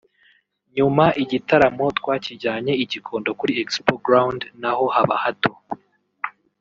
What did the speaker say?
nyuma igitaramo twakijyanye i Gikondo kuri Expo Ground naho haba hato